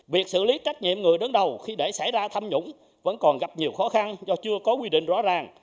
việc xử lý trách nhiệm người đứng đầu khi để xảy ra tham nhũng vẫn còn gặp nhiều khó khăn do chưa có quy định rõ ràng